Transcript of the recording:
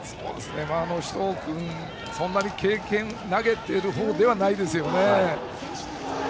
首藤君、そんなに投げている方ではないですね。